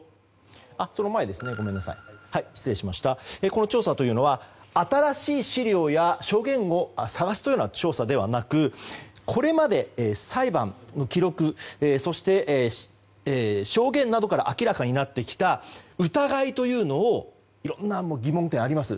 この調査というのは新しい資料や証言を探すという調査ではなくこれまで裁判の記録そして証言などから明らかになってきた疑いというのをいろんな疑問点があります。